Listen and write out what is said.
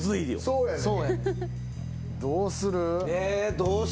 そうやな。